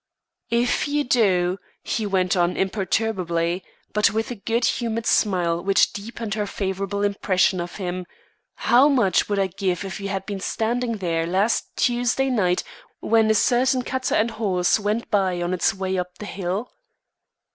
"If you do," he went on imperturbably, but with a good humoured smile which deepened her favourable impression of him, "how much I would give if you had been standing there last Tuesday night when a certain cutter and horse went by on its way up the hill."